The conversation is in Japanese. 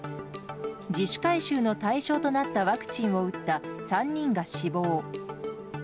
自主回収の対象となったワクチンを打った３人が死亡。